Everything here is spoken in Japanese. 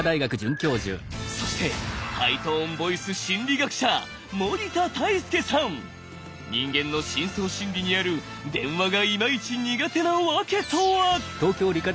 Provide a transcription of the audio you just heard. そしてハイトーンボイス心理学者人間の深層心理にある電話がイマイチ苦手なワケとは？